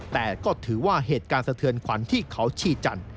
แต่ก็ถือว่าเหตุการณ์สะเทือนขวัญที่เขาชีจันทร์